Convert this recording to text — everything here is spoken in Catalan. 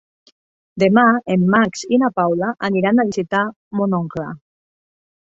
Demà en Max i na Paula aniran a visitar mon oncle.